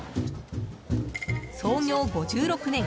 創業５６年。